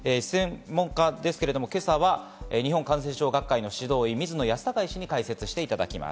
今朝は日本感染症学会の指導医・水野泰孝医師に解説していただきます。